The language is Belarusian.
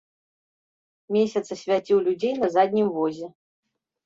Месяц асвяціў людзей на заднім возе.